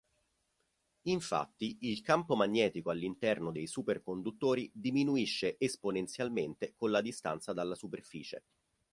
Infatti il campo magnetico all'interno dei superconduttori diminuisce esponenzialmente con la distanza dalla superficie.